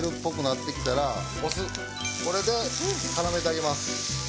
これでからめてあげます。